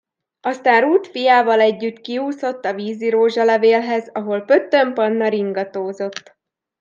Aztán rút fiával együtt kiúszott a vízirózsalevélhez, ahol Pöttöm Panna ringatózott.